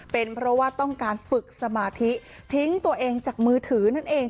เป็นเพราะว่าต้องการฝึกสมาธิทิ้งตัวเองจากมือถือนั่นเอง